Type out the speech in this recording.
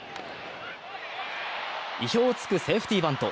意表をつくセーフティーバント。